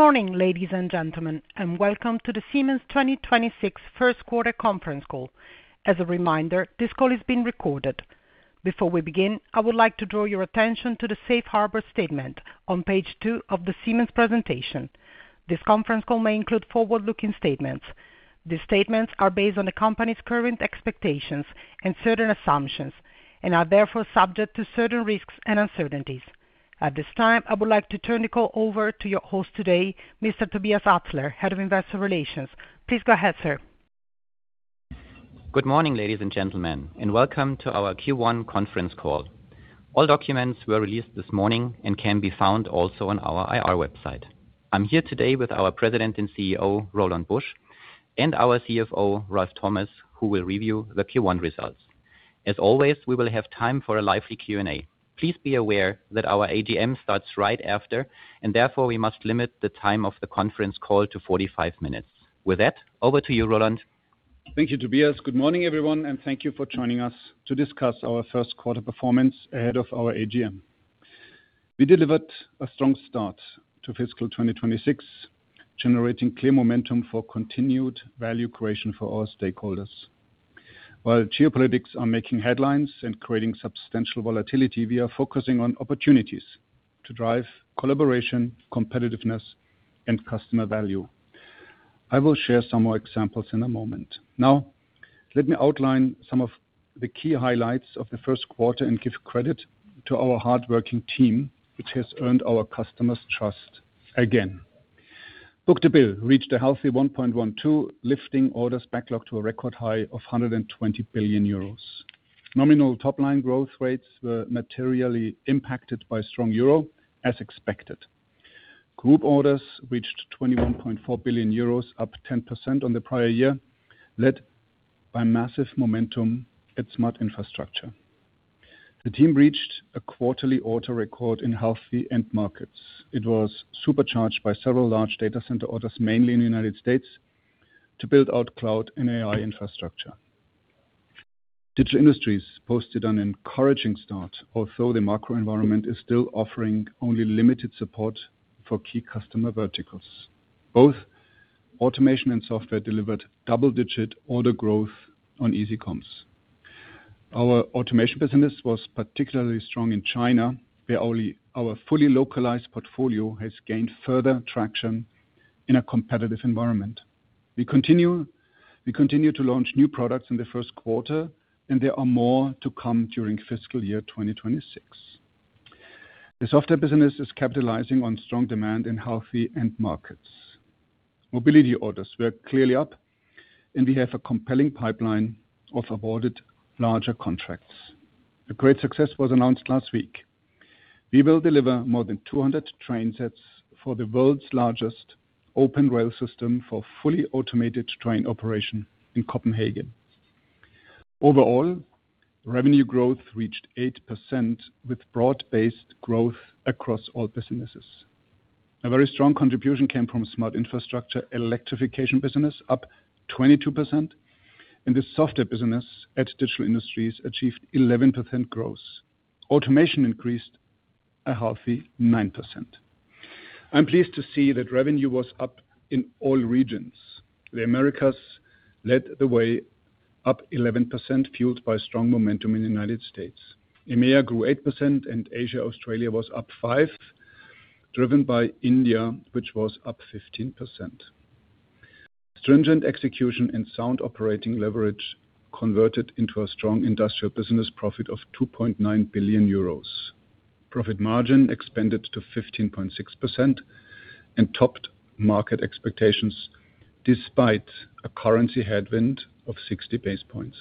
Good morning, ladies and gentlemen, and welcome to the Siemens 2026 first quarter conference call. As a reminder, this call is being recorded. Before we begin, I would like to draw your attention to the safe harbor statement on page 2 of the Siemens presentation. This conference call may include forward-looking statements. These statements are based on the company's current expectations and certain assumptions, and are therefore subject to certain risks and uncertainties. At this time, I would like to turn the call over to your host today, Mr. Tobias Atzler, Head of Investor Relations. Please go ahead, sir. Good morning, ladies and gentlemen, and welcome to our Q1 conference call. All documents were released this morning and can be found also on our IR website. I'm here today with our President and CEO, Roland Busch, and our CFO, Ralf Thomas, who will review the Q1 results. As always, we will have time for a lively Q&A. Please be aware that our AGM starts right after, and therefore we must limit the time of the conference call to 45 minutes. With that, over to you, Roland. Thank you, Tobias. Good morning, everyone, and thank you for joining us to discuss our first quarter performance ahead of our AGM. We delivered a strong start to fiscal 2026, generating clear momentum for continued value creation for all stakeholders. While geopolitics are making headlines and creating substantial volatility, we are focusing on opportunities to drive collaboration, competitiveness, and customer value. I will share some more examples in a moment. Now, let me outline some of the key highlights of the first quarter and give credit to our hardworking team, which has earned our customers' trust again. Book-to-bill reached a healthy 1.12, lifting orders backlog to a record high of 120 billion euros. Nominal top-line growth rates were materially impacted by strong euro, as expected. Group orders reached 21.4 billion euros, up 10% on the prior year, led by massive momentum at Smart Infrastructure. The team reached a quarterly order record in healthy end markets. It was supercharged by several large data center orders, mainly in the United States, to build out cloud and AI infrastructure. Digital Industries posted an encouraging start, although the macro environment is still offering only limited support for key customer verticals. Both automation and software delivered double-digit order growth on easy comps. Our automation business was particularly strong in China, where our fully localized portfolio has gained further traction in a competitive environment. We continue to launch new products in the first quarter, and there are more to come during fiscal year 2026. The software business is capitalizing on strong demand in healthy end markets. Mobility orders were clearly up, and we have a compelling pipeline of awarded larger contracts. A great success was announced last week. We will deliver more than 200 train sets for the world's largest open rail system for fully automated train operation in Copenhagen. Overall, revenue growth reached 8% with broad-based growth across all businesses. A very strong contribution came from Smart Infrastructure, Electrification business, up 22%, and the software business at Digital Industries achieved 11% growth. Automation increased a healthy 9%. I'm pleased to see that revenue was up in all regions. The Americas led the way up 11%, fueled by strong momentum in the United States. EMEA grew 8%, and Asia, Australia was up 5, driven by India, which was up 15%. Stringent execution and sound operating leverage converted into a strong industrial business profit of 2.9 billion euros. Profit margin expanded to 15.6% and topped market expectations, despite a currency headwind of 60 basis points.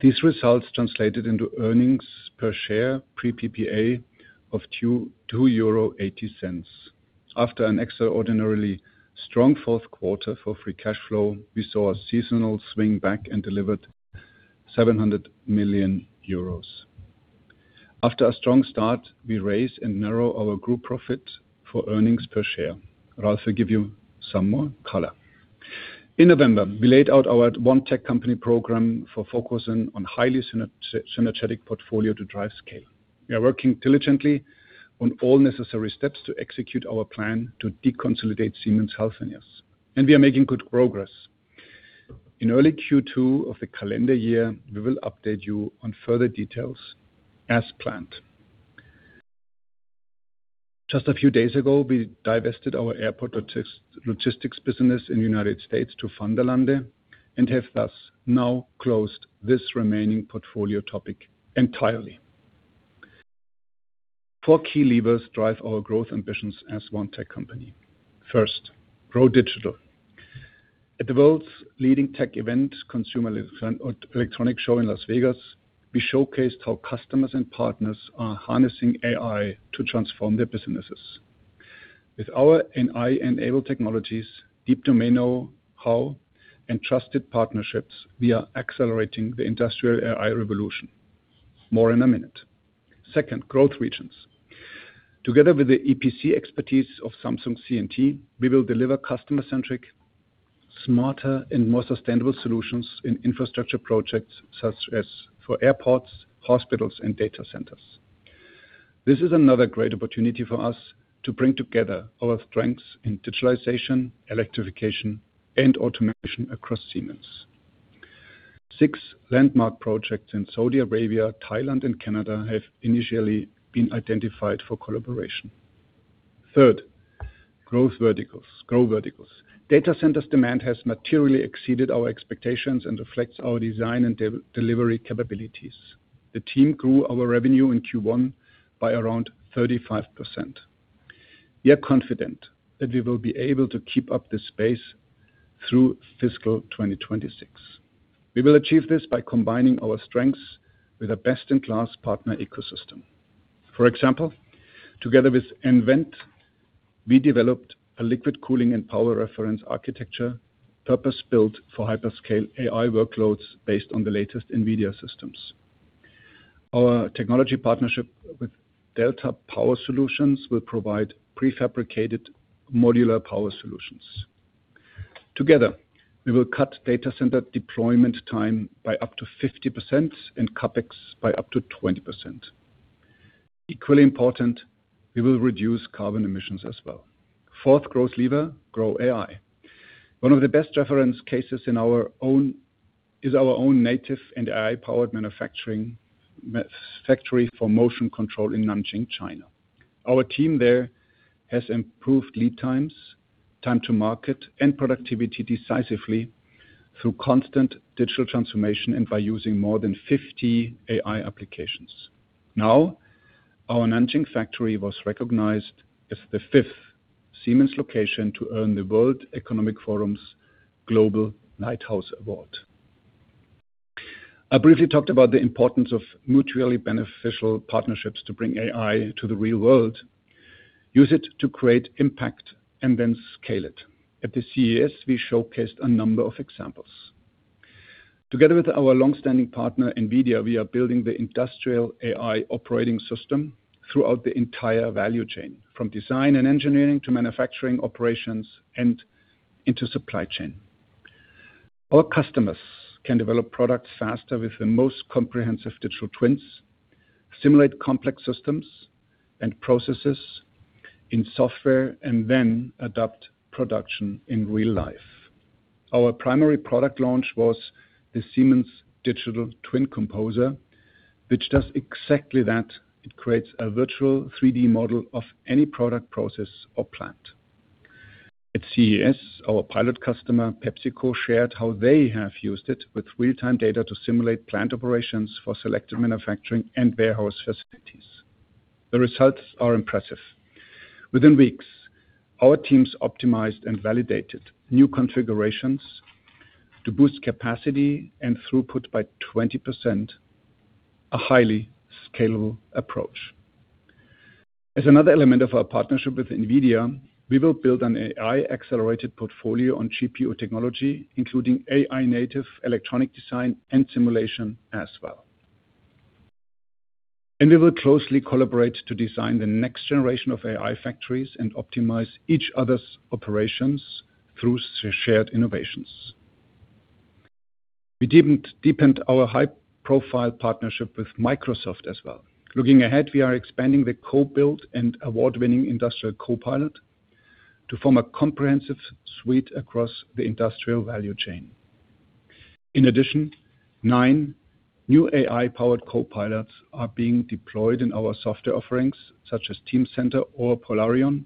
These results translated into earnings per share, pre PPA, of 2.28 euro. After an extraordinarily strong fourth quarter for free cash flow, we saw a seasonal swing back and delivered 700 million euros. After a strong start, we raise and narrow our group profit for earnings per share. Ralph will give you some more color. In November, we laid out our One Tech Company program for focusing on highly synergetic portfolio to drive scale. We are working diligently on all necessary steps to execute our plan to deconsolidate Siemens Healthineers, and we are making good progress. In early Q2 of the calendar year, we will update you on further details as planned. Just a few days ago, we divested our airport logistics business in the United States to Vanderlande and have thus now closed this remaining portfolio topic entirely. Four key levers drive our growth ambitions as One Tech Company. First, grow digital. At the world's leading tech event, Consumer Electronics Show in Las Vegas, we showcased how customers and partners are harnessing AI to transform their businesses. With our AI-enabled technologies, deep domain know-how, and trusted partnerships, we are accelerating the industrial AI revolution. More in a minute. Second, growth regions. Together with the EPC expertise of Samsung C&T, we will deliver customer-centric smarter and more sustainable solutions in infrastructure projects, such as for airports, hospitals, and data centers. This is another great opportunity for us to bring together our strengths in digitalization, electrification, and automation across Siemens. 6 landmark projects in Saudi Arabia, Thailand, and Canada have initially been identified for collaboration. Third, growth verticals - grow verticals. Data Centers demand has materially exceeded our expectations and reflects our design and delivery capabilities. The team grew our revenue in Q1 by around 35%. We are confident that we will be able to keep up this pace through fiscal 2026. We will achieve this by combining our strengths with a best-in-class partner ecosystem. For example, together with nVent, we developed a liquid cooling and power reference architecture, purpose-built for hyperscale AI workloads based on the latest NVIDIA systems. Our technology partnership with Delta Power Solutions will provide prefabricated modular power solutions. Together, we will cut data center deployment time by up to 50% and CapEx by up to 20%. Equally important, we will reduce carbon emissions as well. Fourth growth lever, grow AI. One of the best reference cases in our own is our own native and AI-powered manufacturing factory for motion control in Nanjing, China. Our team there has improved lead times, time to market, and productivity decisively through constant digital transformation and by using more than 50 AI applications. Now, our Nanjing factory was recognized as the fifth Siemens location to earn the World Economic Forum's Global Lighthouse Award. I briefly talked about the importance of mutually beneficial partnerships to bring AI to the real world, use it to create impact, and then scale it. At the CES, we showcased a number of examples. Together with our long-standing partner, NVIDIA, we are building the industrial AI operating system throughout the entire value chain, from design and engineering to manufacturing operations and into supply chain. Our customers can develop products faster with the most comprehensive digital twins, simulate complex systems and processes in software, and then adopt production in real life. Our primary product launch was the Siemens Digital Twin Composer, which does exactly that. It creates a virtual 3D model of any product, process, or plant. At CES, our pilot customer, PepsiCo, shared how they have used it with real-time data to simulate plant operations for selected manufacturing and warehouse facilities. The results are impressive. Within weeks, our teams optimized and validated new configurations to boost capacity and throughput by 20%, a highly scalable approach. As another element of our partnership with NVIDIA, we will build an AI-accelerated portfolio on GPU technology, including AI native, electronic design, and simulation as well. We will closely collaborate to design the next generation of AI factories and optimize each other's operations through shared innovations. We deepened our high-profile partnership with Microsoft as well. Looking ahead, we are expanding the co-build and award-winning Industrial Copilot to form a comprehensive suite across the industrial value chain. In addition, nine new AI-powered copilots are being deployed in our software offerings, such as Teamcenter or Polarion,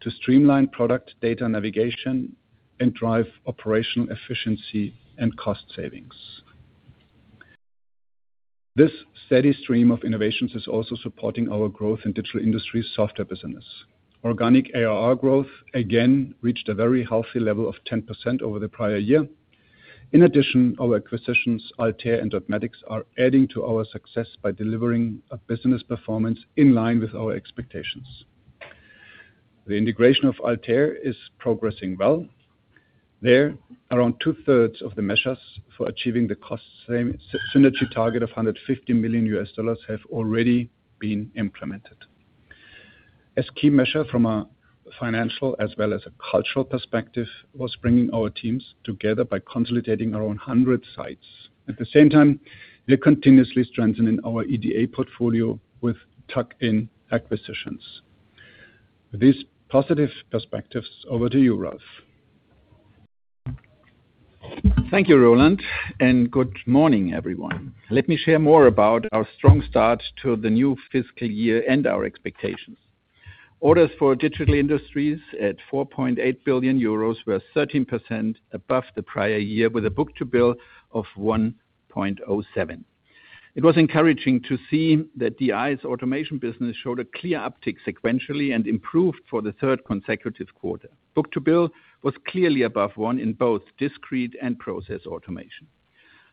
to streamline product data navigation and drive operational efficiency and cost savings. This steady stream of innovations is also supporting our growth in Digital Industries' software business. Organic ARR growth again reached a very healthy level of 10% over the prior year. In addition, our acquisitions, Altair and Innomatics, are adding to our success by delivering a business performance in line with our expectations. The integration of Altair is progressing well. There, around two-thirds of the measures for achieving the cost saving synergy target of $150 million have already been implemented. A key measure from a financial as well as a cultural perspective, was bringing our teams together by consolidating around 100 sites. At the same time, we are continuously strengthening our EDA portfolio with tuck-in acquisitions. With these positive perspectives, over to you, Ralf. Thank you, Roland, and good morning, everyone. Let me share more about our strong start to the new fiscal year and our expectations. Orders for Digital Industries at 4.8 billion euros were 13% above the prior year, with a book-to-bill of 1.07. It was encouraging to see that DI's automation business showed a clear uptick sequentially and improved for the third consecutive quarter. Book-to-bill was clearly above one in both discrete and process automation.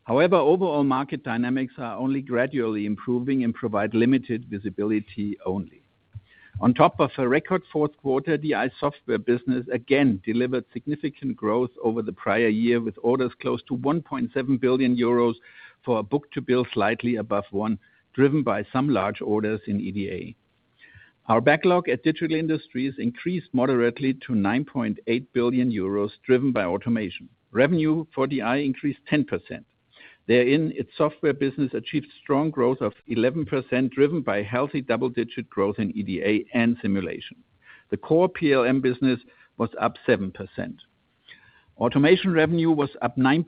However, overall market dynamics are only gradually improving and provide limited visibility only. On top of a record fourth quarter, DI software business again delivered significant growth over the prior year, with orders close to 1.7 billion euros for a book-to-bill slightly above one, driven by some large orders in EDA.... Our backlog at Digital Industries increased moderately to 9.8 billion euros, driven by automation. Revenue for DI increased 10%. Therein, its software business achieved strong growth of 11%, driven by healthy double-digit growth in EDA and simulation. The core PLM business was up 7%. Automation revenue was up 9%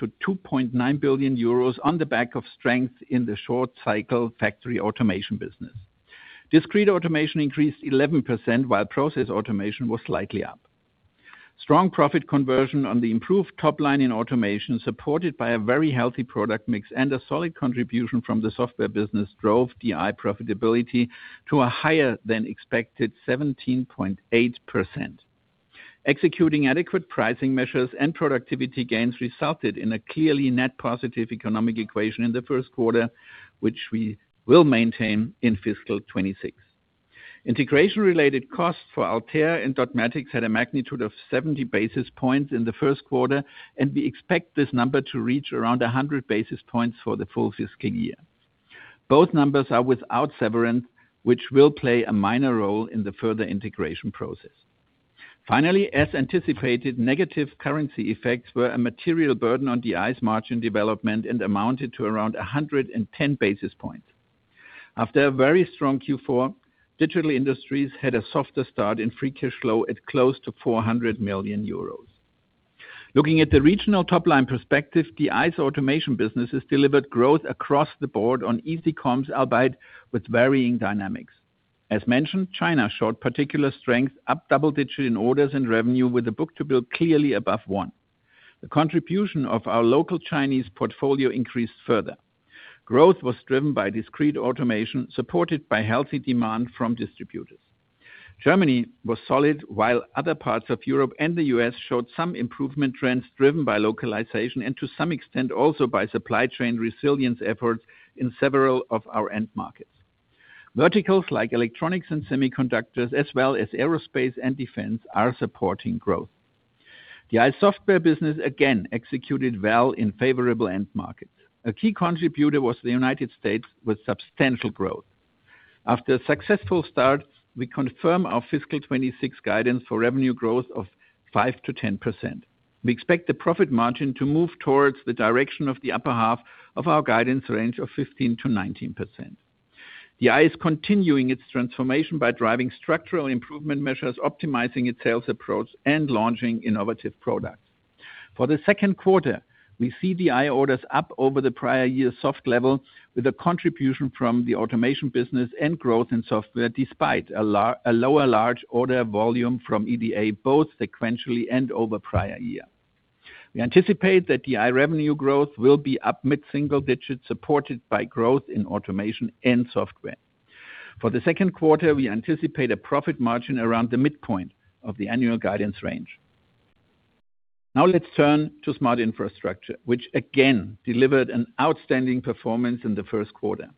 to 2.9 billion euros on the back of strength in the short cycle factory automation business. Discrete automation increased 11%, while process automation was slightly up. Strong profit conversion on the improved top line in automation, supported by a very healthy product mix and a solid contribution from the software business, drove DI profitability to a higher-than-expected 17.8%. Executing adequate pricing measures and productivity gains resulted in a clearly net positive economic equation in the first quarter, which we will maintain in fiscal 2026. Integration-related costs for Altair and Tecnomatix had a magnitude of 70 basis points in the first quarter, and we expect this number to reach around 100 basis points for the full fiscal year. Both numbers are without severance, which will play a minor role in the further integration process. Finally, as anticipated, negative currency effects were a material burden on DI's margin development and amounted to around 110 basis points. After a very strong Q4, Digital Industries had a softer start in free cash flow at close to 400 million euros. Looking at the regional top-line perspective, DI's automation business has delivered growth across the board on easy comps, albeit with varying dynamics. As mentioned, China showed particular strength, up double digits in orders and revenue, with the book-to-bill clearly above 1. The contribution of our local Chinese portfolio increased further. Growth was driven by discrete automation, supported by healthy demand from distributors. Germany was solid, while other parts of Europe and the U.S. showed some improvement trends, driven by localization and to some extent, also by supply chain resilience efforts in several of our end markets. Verticals like electronics and semiconductors, as well as aerospace and defense, are supporting growth. DI's software business again executed well in favorable end markets. A key contributor was the United States, with substantial growth. After a successful start, we confirm our fiscal 2026 guidance for revenue growth of 5%-10%. We expect the profit margin to move towards the direction of the upper half of our guidance range of 15%-19%. DI is continuing its transformation by driving structural improvement measures, optimizing its sales approach, and launching innovative products. For the second quarter, we see DI orders up over the prior year's soft level, with a contribution from the automation business and growth in software, despite a lower large order volume from EDA, both sequentially and over prior year. We anticipate that DI revenue growth will be up mid-single digits, supported by growth in automation and software. For the second quarter, we anticipate a profit margin around the midpoint of the annual guidance range. Now let's turn to Smart Infrastructure, which again delivered an outstanding performance in the first quarter.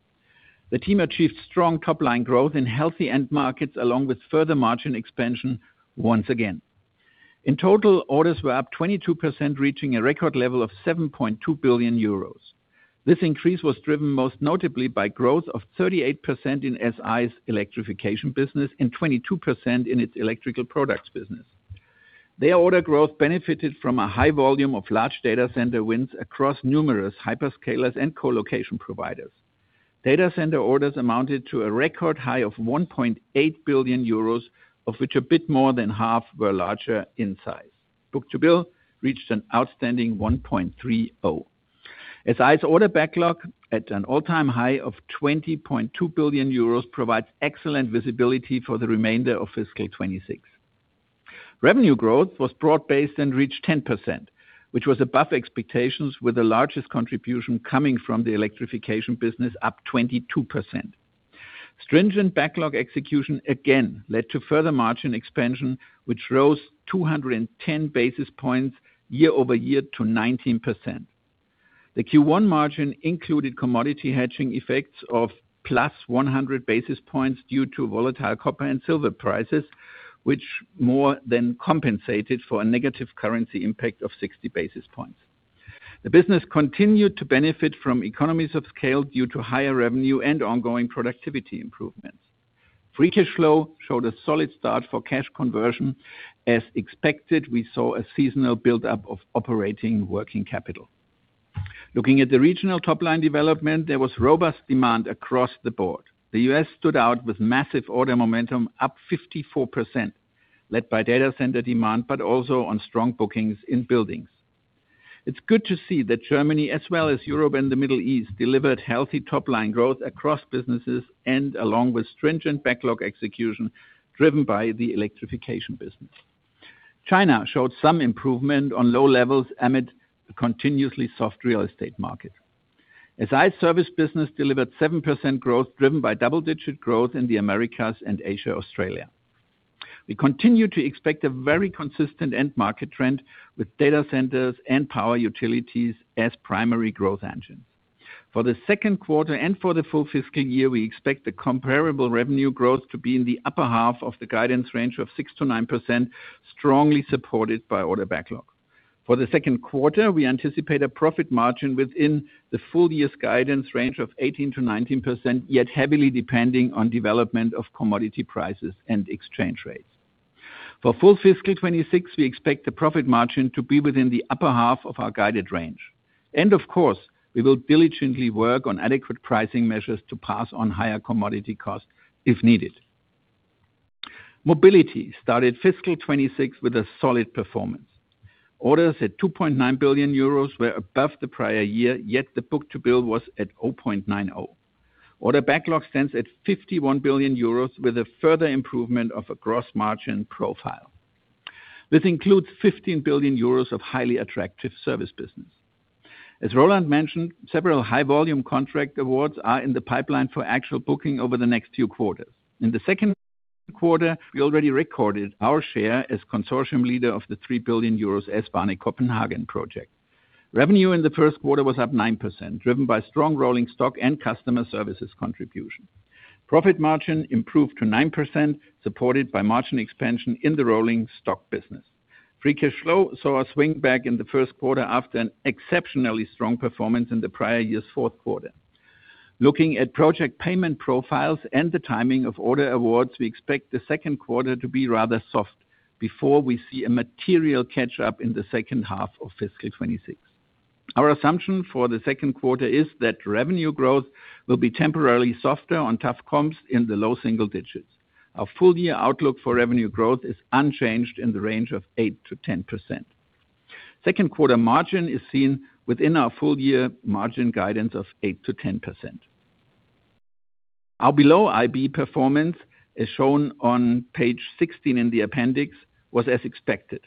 The team achieved strong top-line growth in healthy end markets, along with further margin expansion, once again. In total, orders were up 22%, reaching a record level of 7.2 billion euros. This increase was driven most notably by growth of 38% in SI's electrification business and 22% in its electrical products business. Their order growth benefited from a high volume of large data center wins across numerous hyperscalers and colocation providers. Data center orders amounted to a record high of 1.8 billion euros, of which a bit more than half were larger in size. Book-to-bill reached an outstanding 1.3x. SI's order backlog at an all-time high of 20.2 billion euros provides excellent visibility for the remainder of fiscal 2026. Revenue growth was broad-based and reached 10%, which was above expectations, with the largest contribution coming from the electrification business, up 22%. Stringent backlog execution again led to further margin expansion, which rose 210 basis points year-over-year to 19%. The Q1 margin included commodity hedging effects of +100 basis points due to volatile copper and silver prices, which more than compensated for a negative currency impact of 60 basis points. The business continued to benefit from economies of scale due to higher revenue and ongoing productivity improvements. Free cash flow showed a solid start for cash conversion. As expected, we saw a seasonal buildup of operating working capital. Looking at the regional top-line development, there was robust demand across the board. The U.S. stood out with massive order momentum up 54%, led by data center demand, but also on strong bookings in buildings. It's good to see that Germany, as well as Europe and the Middle East, delivered healthy top-line growth across businesses and along with stringent backlog execution driven by the electrification business. China showed some improvement on low levels amid a continuously soft real estate market. SI service business delivered 7% growth, driven by double-digit growth in the Americas and Asia, Australia. We continue to expect a very consistent end market trend with data centers and power utilities as primary growth engines. For the second quarter and for the full fiscal year, we expect the comparable revenue growth to be in the upper half of the guidance range of 6%-9%, strongly supported by order backlog. For the second quarter, we anticipate a profit margin within the full year's guidance range of 18%-19%, yet heavily depending on development of commodity prices and exchange rates. For full fiscal 2026, we expect the profit margin to be within the upper half of our guided range. Of course, we will diligently work on adequate pricing measures to pass on higher commodity costs if needed. Mobility started fiscal 2026 with a solid performance. Orders at 2.9 billion euros were above the prior year, yet the book-to-bill was at 0.90. Order backlog stands at 51 billion euros, with a further improvement of a gross margin profile. This includes 15 billion euros of highly attractive service business. As Roland mentioned, several high volume contract awards are in the pipeline for actual booking over the next few quarters. In the second quarter, we already recorded our share as consortium leader of the 3 billion euros S-Bahn Copenhagen project. Revenue in the first quarter was up 9%, driven by strong rolling stock and customer services contribution. Profit margin improved to 9%, supported by margin expansion in the rolling stock business. Free cash flow saw a swing back in the first quarter after an exceptionally strong performance in the prior year's fourth quarter. Looking at project payment profiles and the timing of order awards, we expect the second quarter to be rather soft before we see a material catch-up in the second half of fiscal 2026. Our assumption for the second quarter is that revenue growth will be temporarily softer on tough comps in the low single digits. Our full year outlook for revenue growth is unchanged in the range of 8%-10%. Second quarter margin is seen within our full year margin guidance of 8%-10%. Our below IB performance, as shown on page 16 in the appendix, was as expected.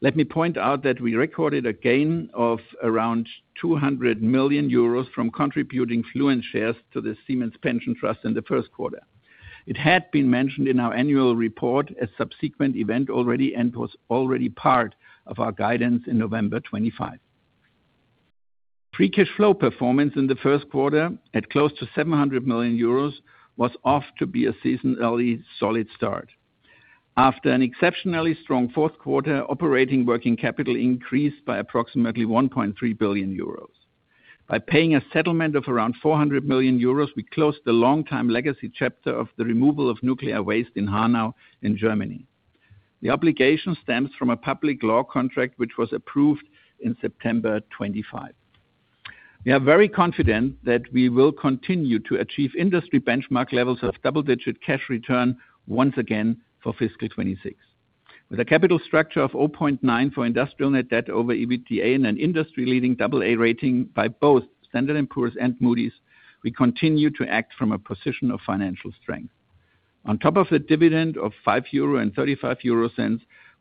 Let me point out that we recorded a gain of around 200 million euros from contributing Fluence shares to the Siemens Pension Trust in the first quarter. It had been mentioned in our annual report as subsequent event already, and was already part of our guidance in November 2025. Free cash flow performance in the first quarter, at close to 700 million euros, was off to be a seasonally solid start. After an exceptionally strong fourth quarter, Operating Working Capital increased by approximately 1.3 billion euros. By paying a settlement of around 400 million euros, we closed the long-time legacy chapter of the removal of nuclear waste in Hanau in Germany. The obligation stems from a public law contract, which was approved in September 2025. We are very confident that we will continue to achieve industry benchmark levels of double-digit cash return once again for fiscal 2026. With a capital structure of 0.9 for industrial net debt over EBITDA and an industry-leading double-A rating by both Standard & Poor's and Moody's, we continue to act from a position of financial strength. On top of a dividend of 5.35 euro,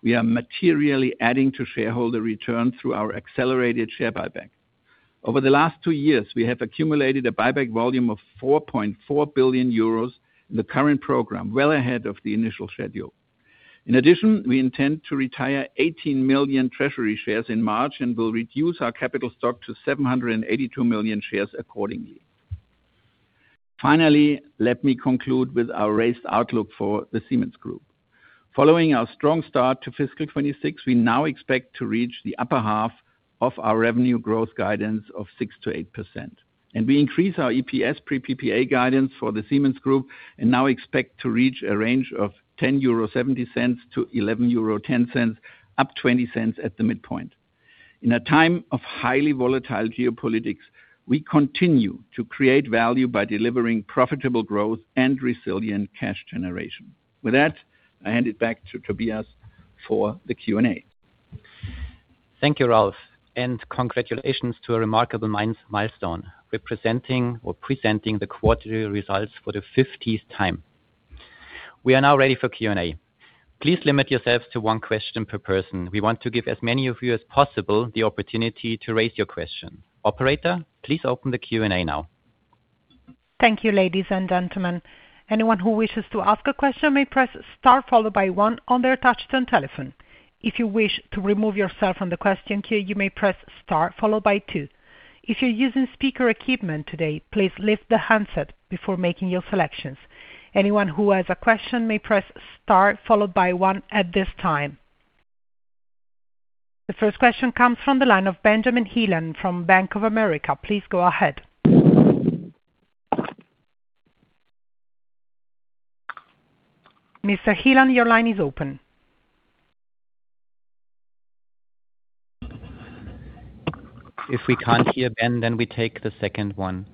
we are materially adding to shareholder return through our accelerated share buyback. Over the last two years, we have accumulated a buyback volume of 4.4 billion euros in the current program, well ahead of the initial schedule. In addition, we intend to retire 18 million treasury shares in March, and will reduce our capital stock to 782 million shares accordingly. Finally, let me conclude with our raised outlook for the Siemens Group. Following our strong start to fiscal 2026, we now expect to reach the upper half of our revenue growth guidance of 6%-8%. We increase our EPS pre-PPA guidance for the Siemens Group, and now expect to reach a range of 10.70-11.10 euro, up 20 cents at the midpoint. In a time of highly volatile geopolitics, we continue to create value by delivering profitable growth and resilient cash generation. With that, I hand it back to Tobias for the Q&A. Thank you, Ralf, and congratulations to a remarkable milestone. We're presenting the quarterly results for the fiftieth time. We are now ready for Q&A. Please limit yourselves to one question per person. We want to give as many of you as possible the opportunity to raise your question. Operator, please open the Q&A now. Thank you, ladies and gentlemen. Anyone who wishes to ask a question may press star followed by one on their touchtone telephone. If you wish to remove yourself from the question queue, you may press star followed by two. If you're using speaker equipment today, please lift the handset before making your selections. Anyone who has a question may press star, followed by one at this time. The first question comes from the line of Benjamin Heelan from Bank of America. Please go ahead. Mr. Heelan, your line is open. If we can't hear Ben, then we take the second one.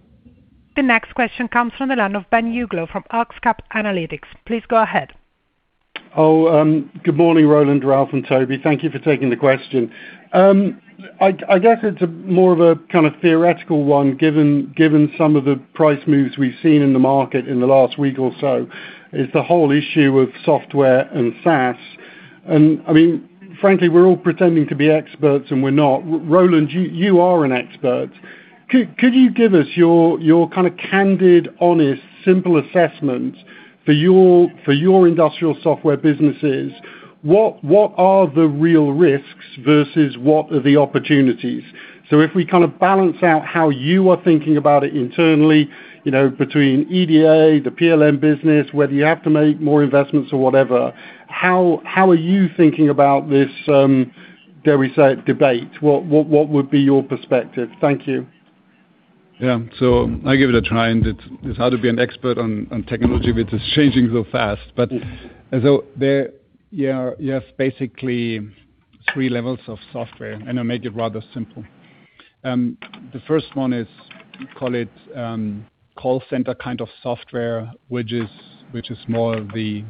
The next question comes from the line of Ben Uglow from Oxcap Analytics. Please go ahead. Good morning, Roland, Ralf, and Tobias. Thank you for taking the question. I guess it's more of a kind of theoretical one, given some of the price moves we've seen in the market in the last week or so, is the whole issue of software and SaaS. And I mean, frankly, we're all pretending to be experts, and we're not. Roland, you are an expert. Could you give us your kind of candid, honest, simple assessment for your industrial software businesses? What are the real risks versus what are the opportunities? So if we kind of balance out how you are thinking about it internally, you know, between EDA, the PLM business, whether you have to make more investments or whatever, how are you thinking about this, dare we say, debate? What would be your perspective? Thank you. Yeah. So I give it a try, and it's hard to be an expert on technology which is changing so fast. But as though there, you are, you have basically three levels of software, and I make it rather simple. The first one is, call it, call center kind of software, which is more of the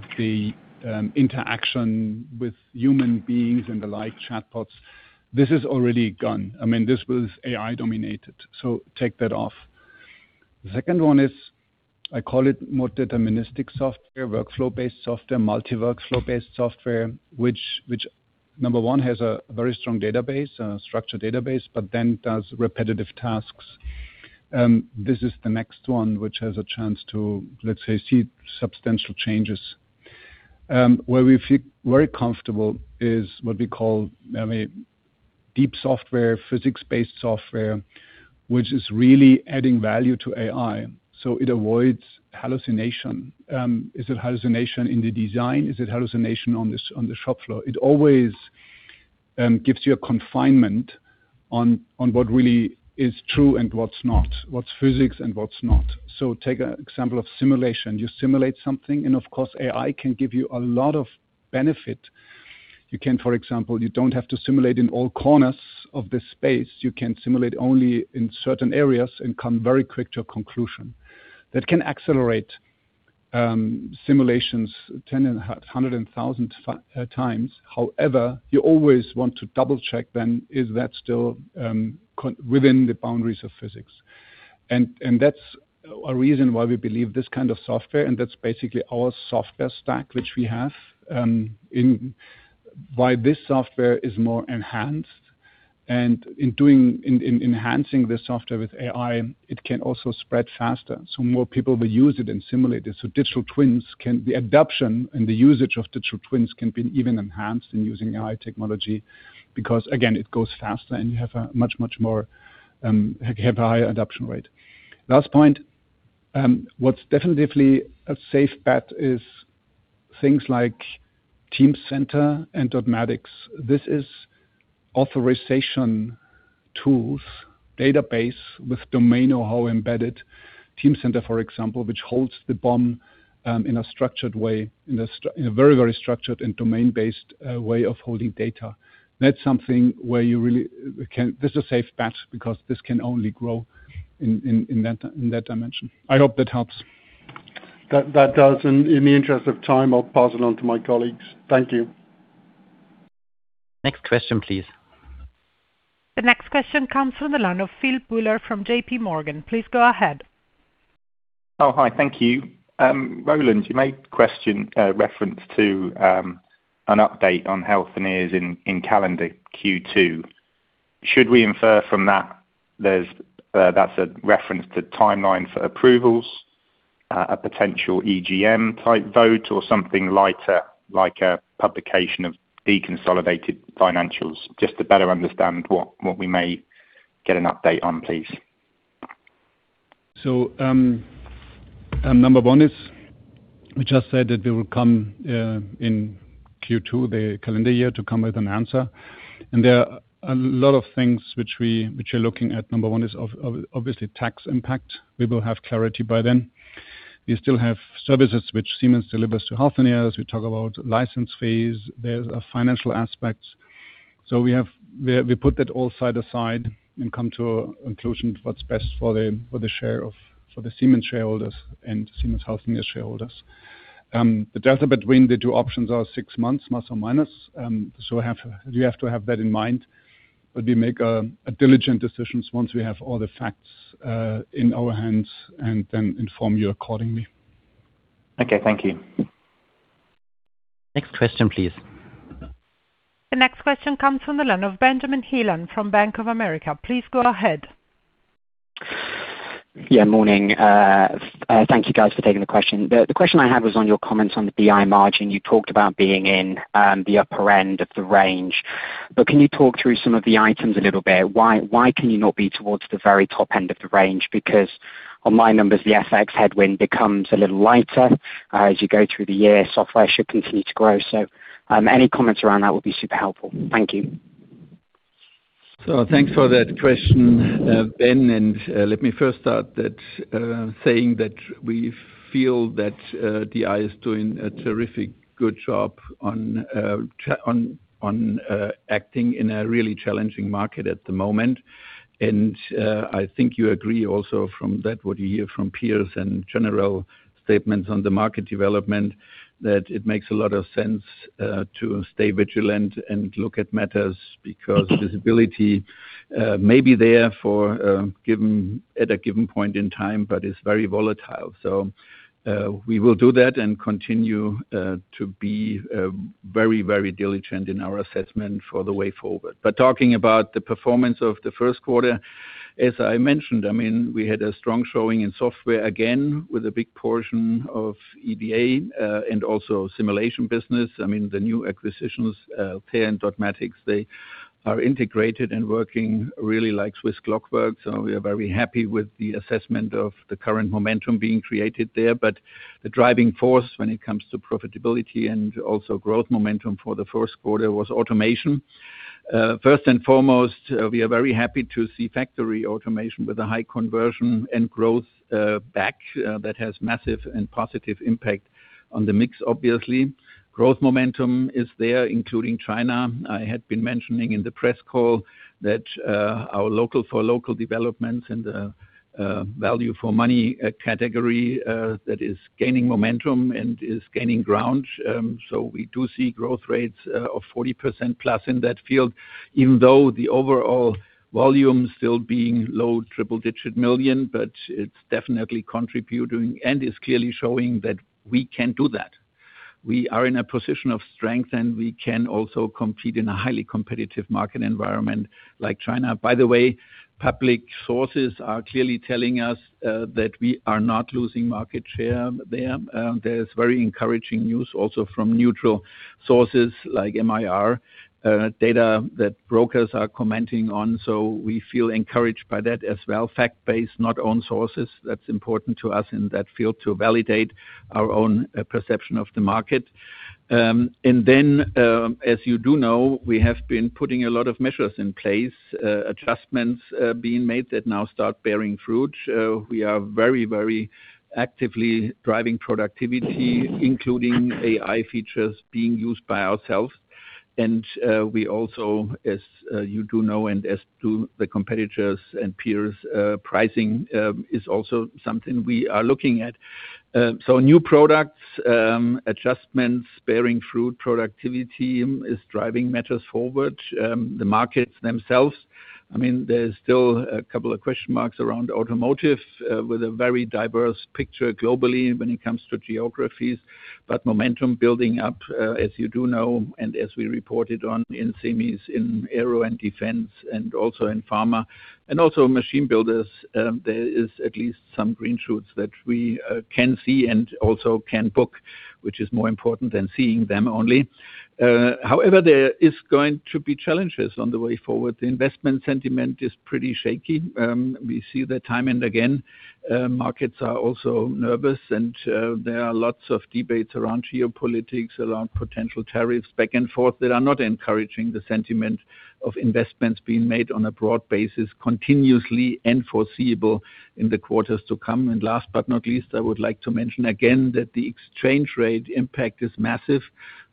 interaction with human beings and the like, chatbots. This is already gone. I mean, this was AI-dominated, so take that off. The second one is, I call it more deterministic software, workflow-based software, multi-workflow-based software, which, number one, has a very strong database, structured database, but then does repetitive tasks. This is the next one, which has a chance to, let's say, see substantial changes. Where we feel very comfortable is what we call, I mean, deep software, physics-based software, which is really adding value to AI, so it avoids hallucination. Is it hallucination in the design? Is it hallucination on the, on the shop floor? It always gives you a confinement on, on what really is true and what's not, what's physics and what's not. So take an example of simulation. You simulate something, and of course, AI can give you a lot of benefit. You can, for example, you don't have to simulate in all corners of the space. You can simulate only in certain areas and come very quick to a conclusion. That can accelerate simulations 10, 100, and 1,000 times. However, you always want to double-check, then, is that still confined within the boundaries of physics? That's a reason why we believe this kind of software, and that's basically our software stack, which we have in. Why this software is more enhanced, and in doing, enhancing this software with AI, it can also spread faster, so more people will use it and simulate it. So digital twins can, the adoption and the usage of digital twins can be even enhanced in using AI technology. Because, again, it goes faster, and you have a much, much more, have a higher adoption rate. Last point, what's definitively a safe bet is things like Teamcenter and Tecnomatix. This is authoring tools, database with domain or how embedded, Teamcenter, for example, which holds the BOM, in a structured way, in a very, very structured and domain-based, way of holding data. That's something where you really can... This is a safe bet because this can only grow in that dimension. I hope that helps. That does, and in the interest of time, I'll pass it on to my colleagues. Thank you. Next question, please. The next question comes from the line of Phil Buller from J.P. Morgan. Please go ahead. Oh, hi. Thank you. Roland, you made question, reference to, an update on Healthineers in, in calendar Q2. Should we infer from that there's, that's a reference to timeline for approvals, a potential EGM-type vote or something lighter, like a publication of deconsolidated financials? Just to better understand what, what we may get an update on, please. Number 1 is, we just said that they will come in Q2, the calendar year, to come with an answer. There are a lot of things which we're looking at. Number 1 is obviously tax impact. We will have clarity by then. We still have services which Siemens delivers to Healthineers. We talk about license fees. There's a financial aspect. So we put that all aside and come to a conclusion what's best for the share of the Siemens shareholders and Siemens Healthineers shareholders. The delta between the two options are 6 months, plus or minus, so you have to have that in mind. But we make a diligent decisions once we have all the facts in our hands and then inform you accordingly. Okay, thank you. Next question, please. The next question comes from the line of Benjamin Heelan from Bank of America. Please go ahead. Yeah, morning. Thank you, guys, for taking the question. The question I had was on your comments on the BI margin. You talked about being in the upper end of the range, but can you talk through some of the items a little bit? Why can you not be towards the very top end of the range? Because on my numbers, the FX headwind becomes a little lighter as you go through the year. Software should continue to grow. So, any comments around that would be super helpful. Thank you. So thanks for that question, Ben, and let me first start that saying that we feel that DI is doing a terrific good job on acting in a really challenging market at the moment. And I think you agree also from that what you hear from peers and general statements on the market development that it makes a lot of sense to stay vigilant and look at matters because visibility may be there for a given point in time but is very volatile. So we will do that and continue to be very very diligent in our assessment for the way forward. But talking about the performance of the first quarter-... As I mentioned, I mean, we had a strong showing in software, again, with a big portion of EDA, and also simulation business. I mean, the new acquisitions, Altair and Dotmatics, they are integrated and working really like Swiss clockwork. So we are very happy with the assessment of the current momentum being created there. But the driving force when it comes to profitability and also growth momentum for the first quarter was automation. First and foremost, we are very happy to see factory automation with a high conversion and growth back, that has massive and positive impact on the mix, obviously. Growth momentum is there, including China. I had been mentioning in the press call that, our local for local developments and, value for money category, that is gaining momentum and is gaining ground. So we do see growth rates of 40%+ in that field, even though the overall volume still being low triple-digit million EUR, but it's definitely contributing and is clearly showing that we can do that. We are in a position of strength, and we can also compete in a highly competitive market environment like China. By the way, public sources are clearly telling us that we are not losing market share there. There is very encouraging news also from neutral sources like MIR data that brokers are commenting on, so we feel encouraged by that as well. Fact-based, not own sources, that's important to us in that field to validate our own perception of the market. And then, as you do know, we have been putting a lot of measures in place, adjustments being made that now start bearing fruit. We are very, very actively driving productivity, including AI features being used by ourselves. And, we also, as you do know and as do the competitors and peers, pricing is also something we are looking at. So new products, adjustments bearing fruit, productivity is driving matters forward. The markets themselves, I mean, there's still a couple of question marks around automotive, with a very diverse picture globally when it comes to geographies, but momentum building up, as you do know, and as we reported on in Siemens, in Aero and Defense, and also in pharma, and also machine builders, there is at least some green shoots that we can see and also can book, which is more important than seeing them only. However, there is going to be challenges on the way forward. The investment sentiment is pretty shaky. We see that time and again, markets are also nervous and, there are lots of debates around geopolitics, around potential tariffs, back and forth, that are not encouraging the sentiment of investments being made on a broad basis, continuously and foreseeable in the quarters to come. And last but not least, I would like to mention again, that the exchange rate impact is massive.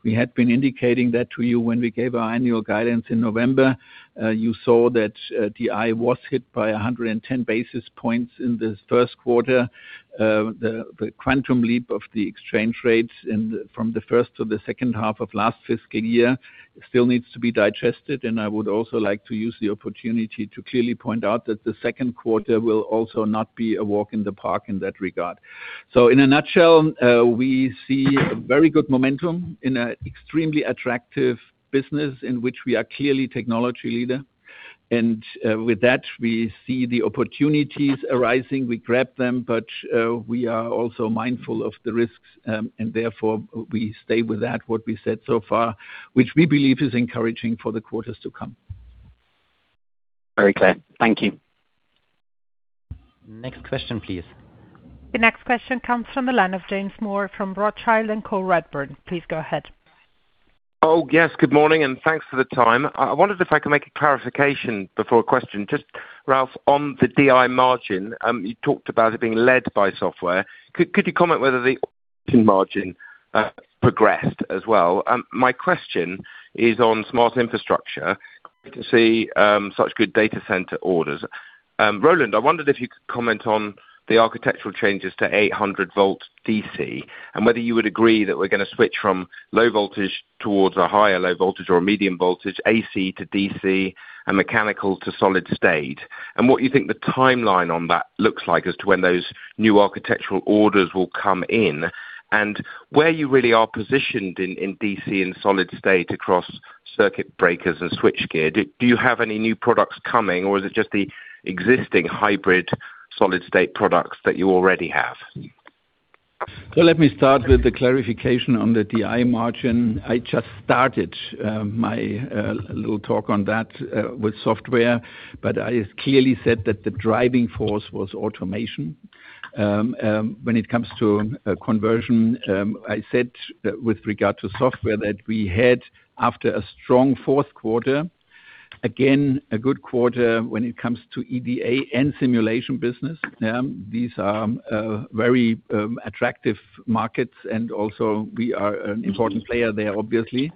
We had been indicating that to you when we gave our annual guidance in November. You saw that, DI was hit by 110 basis points in the first quarter. The quantum leap of the exchange rates in, from the first to the second half of last fiscal year still needs to be digested. And I would also like to use the opportunity to clearly point out that the second quarter will also not be a walk in the park in that regard. So in a nutshell, we see very good momentum in an extremely attractive business in which we are clearly technology leader. With that, we see the opportunities arising. We grab them, but we are also mindful of the risks, and therefore we stay with that, what we said so far, which we believe is encouraging for the quarters to come. Very clear. Thank you. Next question, please. The next question comes from the line of James Moore from Rothschild & Co, Redburn. Please go ahead. Oh, yes, good morning, and thanks for the time. I wondered if I could make a clarification before a question. Just Ralf, on the DI margin, you talked about it being led by software. Could you comment whether the in margin progressed as well? My question is on Smart Infrastructure, to see such good data center orders. Roland, I wondered if you could comment on the architectural changes to 800-volt DC, and whether you would agree that we're gonna switch from low voltage towards a higher low voltage or a medium voltage, AC to DC, and mechanical to solid state. And what you think the timeline on that looks like as to when those new architectural orders will come in, and where you really are positioned in DC and solid state across circuit breakers and switchgear. Do you have any new products coming, or is it just the existing hybrid solid-state products that you already have? So let me start with the clarification on the DI margin. I just started my little talk on that with software, but I clearly said that the driving force was automation. When it comes to conversion, I said that with regard to software that we had after a strong fourth quarter, again, a good quarter when it comes to EDA and simulation business. These are very attractive markets, and also we are an important player there, obviously.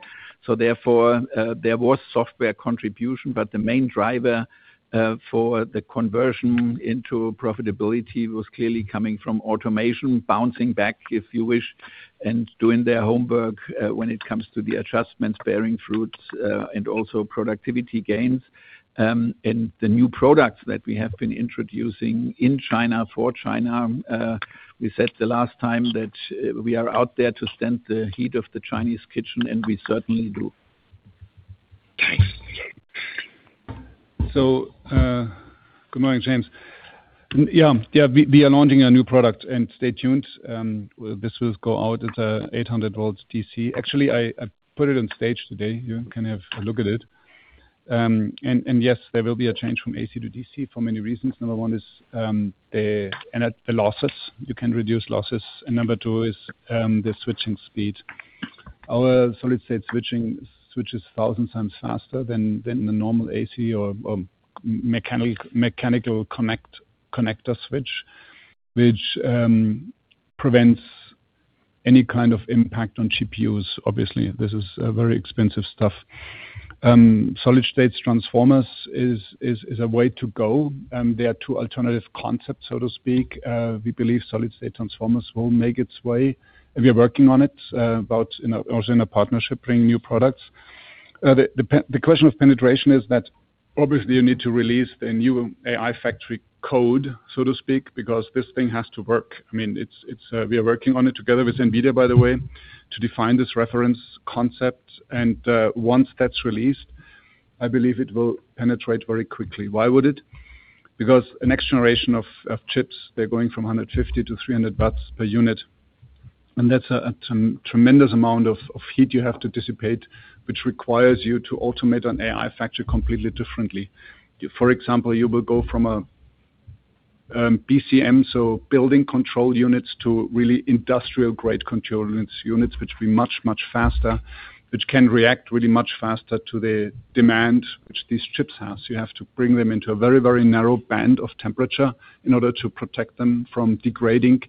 So therefore, there was software contribution, but the main driver for the conversion into profitability was clearly coming from automation, bouncing back, if you wish, and doing their homework when it comes to the adjustments, bearing fruits, and also productivity gains. The new products that we have been introducing in China, for China, we said the last time that we are out there to stand the heat of the Chinese kitchen, and we certainly do.... Thanks. So, good morning, James. Yeah, yeah, we are launching a new product, and stay tuned. This will go out at 800 volts DC. Actually, I put it on stage today. You can have a look at it. And yes, there will be a change from AC to DC for many reasons. Number one is the, and at the losses, you can reduce losses, and number two is the switching speed. Our solid-state switching switches 1,000 times faster than the normal AC or mechanical connector switch, which prevents any kind of impact on GPUs. Obviously, this is very expensive stuff. Solid-state transformers is a way to go, and there are two alternative concepts, so to speak. We believe solid-state transformers will make its way, and we are working on it, about, you know, also in a partnership, bringing new products. The question of penetration is that obviously you need to release the new AI factory code, so to speak, because this thing has to work. I mean, it's, we are working on it together with NVIDIA, by the way, to define this reference concept, and once that's released, I believe it will penetrate very quickly. Why would it? Because the next generation of chips, they're going from 150 to 300 watts per unit, and that's a tremendous amount of heat you have to dissipate, which requires you to automate an AI factory completely differently. For example, you will go from a PCM, so building control units, to really industrial-grade control units, units which be much, much faster, which can react really much faster to the demand which these chips have. So you have to bring them into a very, very narrow band of temperature in order to protect them from degrading,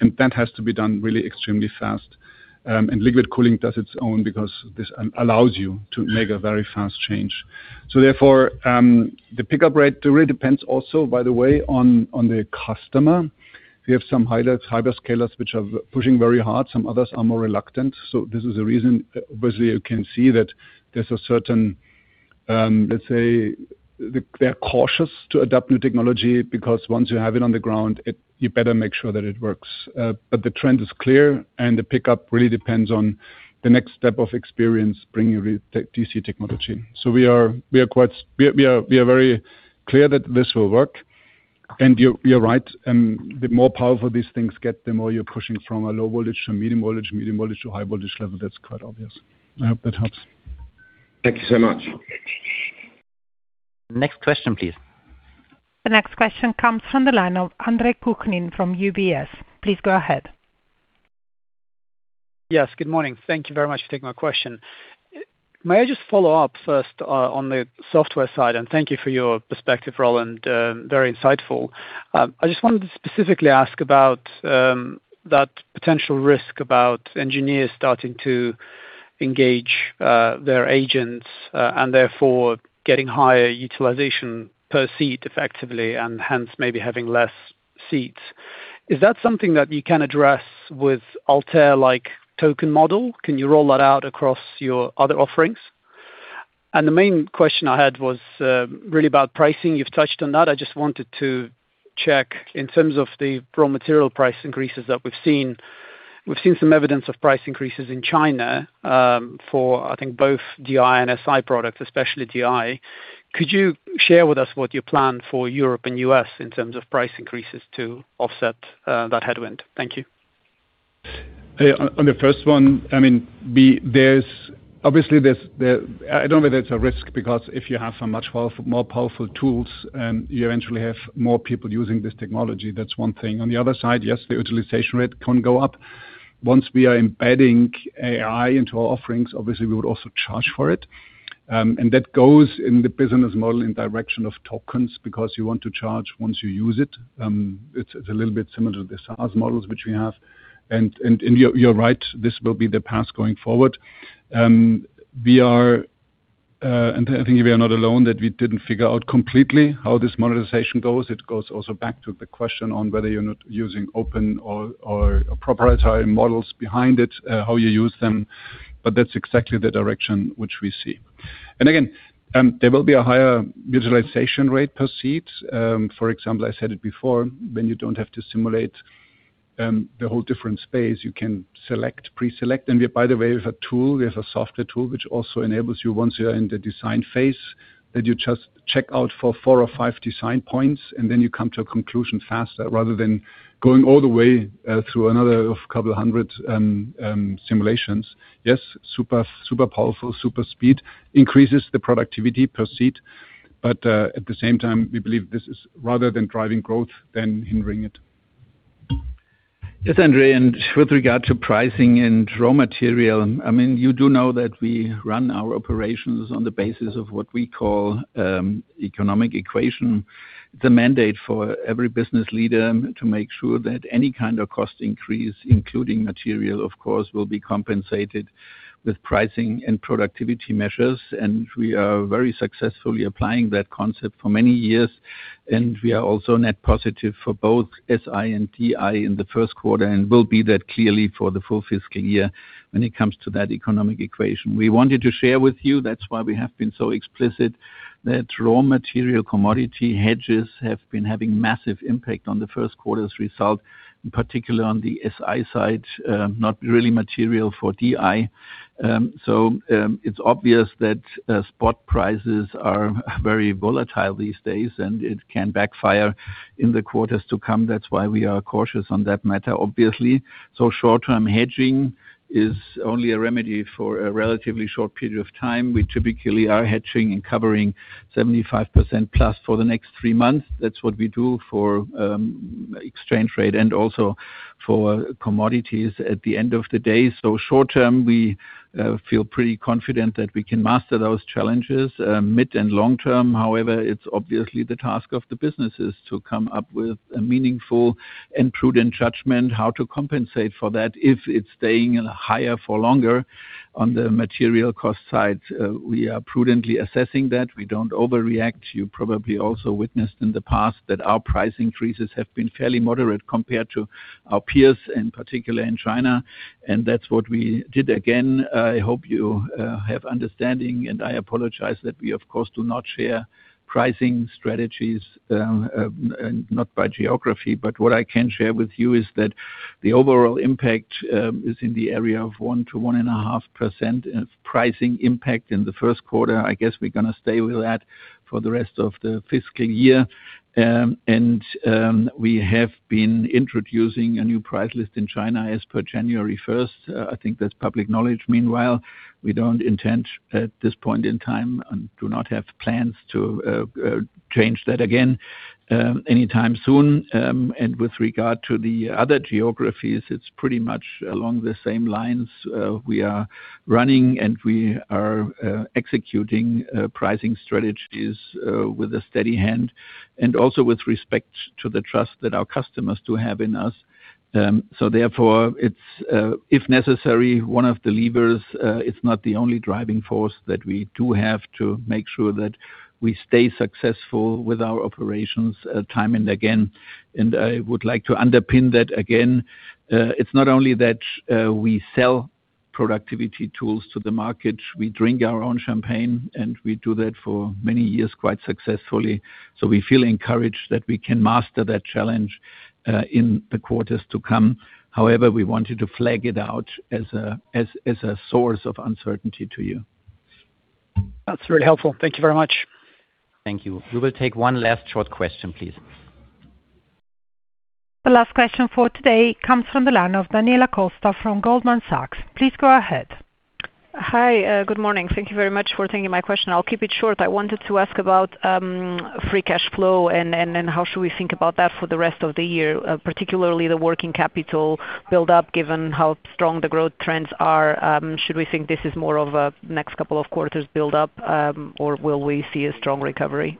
and that has to be done really extremely fast. And liquid cooling does its own because this allows you to make a very fast change. So therefore, the pickup rate really depends also, by the way, on, on the customer. We have some highers, hyperscalers, which are pushing very hard. Some others are more reluctant. So this is the reason, obviously, you can see that there's a certain... Let's say, they're cautious to adapt new technology, because once you have it on the ground, it—you better make sure that it works. But the trend is clear, and the pickup really depends on the next step of experience bringing the DC technology. So we are very clear that this will work. And you're right, the more powerful these things get, the more you're pushing from a low voltage to a medium voltage, medium voltage to high voltage level. That's quite obvious. I hope that helps. Thank you so much. Next question, please. The next question comes from the line of Andre Kukhnin from UBS. Please go ahead. Yes, good morning. Thank you very much for taking my question. May I just follow up first on the software side, and thank you for your perspective, Roland, very insightful. I just wanted to specifically ask about that potential risk about engineers starting to engage their agents and therefore getting higher utilization per seat effectively, and hence maybe having less seats. Is that something that you can address with Altair, like, token model? Can you roll that out across your other offerings? And the main question I had was really about pricing. You've touched on that. I just wanted to check in terms of the raw material price increases that we've seen. We've seen some evidence of price increases in China for I think both DI and SI products, especially DI. Could you share with us what you plan for Europe and U.S. in terms of price increases to offset that headwind? Thank you. On the first one, I mean, there's obviously the... I don't know whether it's a risk, because if you have a much more powerful tools, you eventually have more people using this technology. That's one thing. On the other side, yes, the utilization rate can go up. Once we are embedding AI into our offerings, obviously, we would also charge for it. And that goes in the business model in direction of tokens, because you want to charge once you use it. It's a little bit similar to the SaaS models which we have. And you're right, this will be the path going forward. We are, and I think we are not alone, that we didn't figure out completely how this monetization goes. It goes also back to the question on whether you're not using open or proprietary models behind it, how you use them, but that's exactly the direction which we see. And again, there will be a higher utilization rate per seat. For example, I said it before, when you don't have to simulate the whole different space, you can select, pre-select. And we, by the way, we have a tool. We have a software tool, which also enables you, once you are in the design phase, that you just check out for four or five design points, and then you come to a conclusion faster, rather than going all the way through another couple hundred simulations. Yes, super, super powerful, super speed increases the productivity per seat, but at the same time, we believe this is rather than driving growth, then hindering it. ... Yes, Andre, and with regard to pricing and raw material, I mean, you do know that we run our operations on the basis of what we call, economic equation. It's a mandate for every business leader to make sure that any kind of cost increase, including material, of course, will be compensated with pricing and productivity measures. And we are very successfully applying that concept for many years, and we are also net positive for both SI and DI in the first quarter, and will be that clearly for the full fiscal year when it comes to that economic equation. We wanted to share with you, that's why we have been so explicit, that raw material commodity hedges have been having massive impact on the first quarter's result, in particular on the SI side, not really material for DI. So, it's obvious that spot prices are very volatile these days, and it can backfire in the quarters to come. That's why we are cautious on that matter, obviously. So short-term hedging is only a remedy for a relatively short period of time. We typically are hedging and covering 75% plus for the next 3 months. That's what we do for exchange rate and also for commodities at the end of the day. So short term, we feel pretty confident that we can master those challenges. Mid and long term, however, it's obviously the task of the businesses to come up with a meaningful and prudent judgment, how to compensate for that if it's staying higher for longer on the material cost side. We are prudently assessing that. We don't overreact. You probably also witnessed in the past that our price increases have been fairly moderate compared to our peers, in particular in China, and that's what we did. Again, I hope you have understanding, and I apologize that we, of course, do not share pricing strategies, and not by geography. But what I can share with you is that the overall impact is in the area of 1%-1.5% pricing impact in the first quarter. I guess we're gonna stay with that for the rest of the fiscal year. And we have been introducing a new price list in China as per January first. I think that's public knowledge. Meanwhile, we don't intend at this point in time and do not have plans to change that again, anytime soon. With regard to the other geographies, it's pretty much along the same lines. We are running, and we are executing pricing strategies with a steady hand and also with respect to the trust that our customers do have in us. So therefore, it's, if necessary, one of the levers. It's not the only driving force that we do have to make sure that we stay successful with our operations, time and again. I would like to underpin that again. It's not only that we sell productivity tools to the market. We drink our own champagne, and we do that for many years, quite successfully. So we feel encouraged that we can master that challenge in the quarters to come. However, we want you to flag it out as a source of uncertainty to you. That's very helpful. Thank you very much. Thank you. We will take one last short question, please. The last question for today comes from the line of Daniela Costa from Goldman Sachs. Please go ahead. Hi, good morning. Thank you very much for taking my question. I'll keep it short. I wanted to ask about free cash flow and how should we think about that for the rest of the year, particularly the working capital build-up, given how strong the growth trends are? Should we think this is more of a next couple of quarters build-up, or will we see a strong recovery?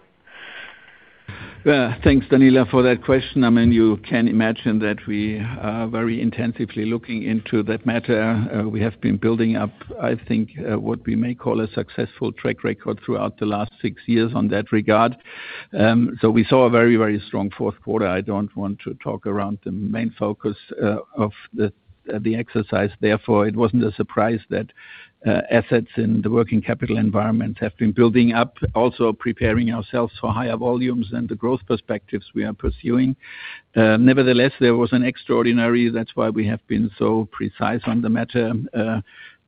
Thanks, Daniela, for that question. I mean, you can imagine that we are very intensively looking into that matter. We have been building up, I think, what we may call a successful track record throughout the last six years on that regard. So we saw a very, very strong fourth quarter. I don't want to talk around the main focus of the exercise. Therefore, it wasn't a surprise that assets in the working capital environment have been building up, also preparing ourselves for higher volumes and the growth perspectives we are pursuing. Nevertheless, there was an extraordinary. That's why we have been so precise on the matter.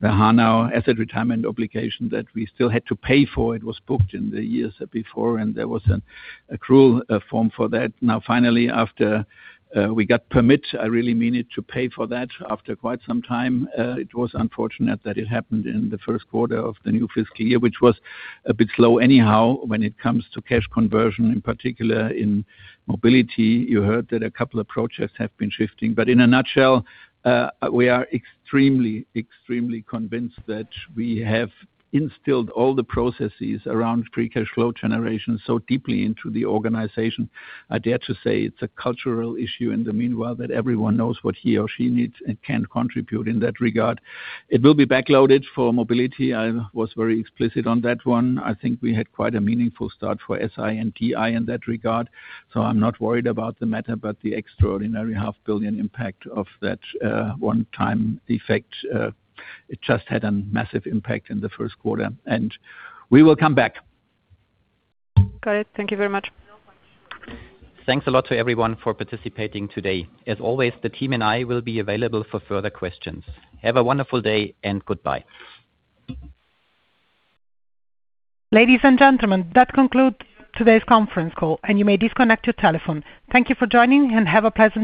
The Hanau asset retirement obligation that we still had to pay for, it was booked in the years before, and there was an accrual form for that. Now, finally, after we got permit, I really mean it, to pay for that after quite some time. It was unfortunate that it happened in the first quarter of the new fiscal year, which was a bit slow anyhow when it comes to cash conversion, in particular in Mobility. You heard that a couple of projects have been shifting, but in a nutshell, we are extremely, extremely convinced that we have instilled all the processes around free cash flow generation so deeply into the organization. I dare to say it's a cultural issue in the meanwhile, that everyone knows what he or she needs and can contribute in that regard. It will be backloaded for Mobility. I was very explicit on that one. I think we had quite a meaningful start for SI and TI in that regard, so I'm not worried about the matter. But the extraordinary 500 million impact of that, one-time effect, it just had a massive impact in the first quarter, and we will come back. Got it. Thank you very much. Thanks a lot to everyone for participating today. As always, the team and I will be available for further questions. Have a wonderful day and goodbye. Ladies and gentlemen, that concludes today's conference call, and you may disconnect your telephone. Thank you for joining, and have a pleasant day.